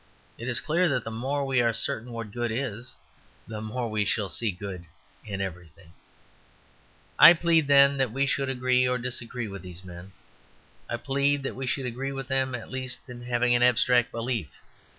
It is clear that the more we are certain what good is, the more we shall see good in everything. I plead, then, that we should agree or disagree with these men. I plead that we should agree with them at least in having an abstract belief.